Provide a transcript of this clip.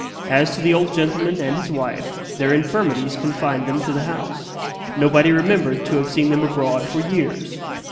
As to the old gentleman and his wife, their infirmities confined them to the house. Nobody remembered to have seen them abroad for years.